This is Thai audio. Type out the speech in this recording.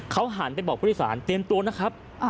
เขาหันไปบอกผู้โดยสารเตรียมตัวนะครับ